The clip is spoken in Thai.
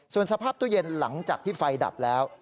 ส่วนสภาพตู้เย็นหลังจากที่ไฟดับแล้ว